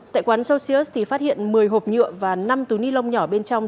tại quán socius thì phát hiện một mươi hộp nhựa và năm túi ni lông nhỏ bên trong